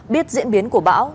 biết diễn biến của bão